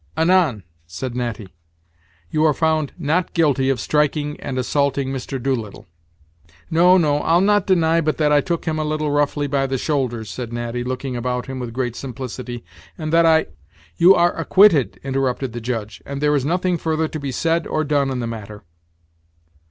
"Anan!" said Natty. "You are found not guilty of striking and assaulting Mr. Doolittle." "No, no, I'll not deny but that I took him a little roughly by the shoulders," said Natty, looking about him with great simplicity, "and that I " "You are acquitted," interrupted the Judge, "and there is nothing further to be said or done in the matter."